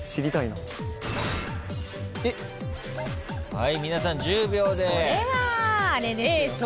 はい皆さん１０秒で。